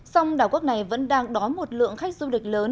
song đảo quốc này vẫn đang đói một lượng khách du lịch lớn